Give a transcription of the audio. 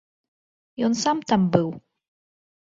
Ён сам там быў!